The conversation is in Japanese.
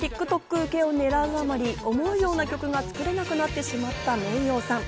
うけを狙うあまり思うような曲が作れなくなってしまったｍｅｉｙｏさん。